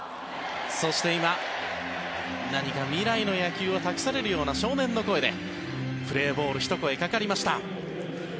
そして今、何か未来の野球を託されるような少年の声でプレーボールひと声かかりました。